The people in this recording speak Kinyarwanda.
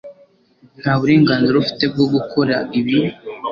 Nta burenganzira ufite bwo gukora ibi